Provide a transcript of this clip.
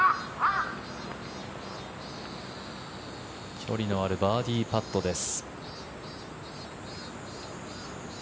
距離のあるバーディーパットです。